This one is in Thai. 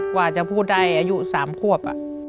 กว่าจะพูดได้อายุ๓ขวบ